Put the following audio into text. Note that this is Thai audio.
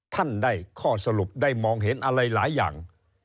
ท่านได้ข้อสรุปได้มองเห็นอะไรหลายอย่าง